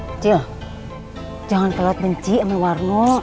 acil jangan keluar benci sama warno